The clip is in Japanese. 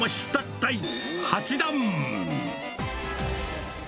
第８弾。